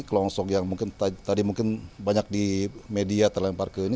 kelompok yang mungkin tadi mungkin banyak di media terlempar ke ini